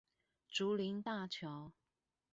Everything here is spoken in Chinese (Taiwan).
竹林大橋